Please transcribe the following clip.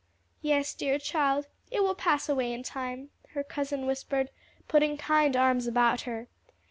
"Yes, dear child, it will pass away in time," her cousin whispered, putting kind arms about her.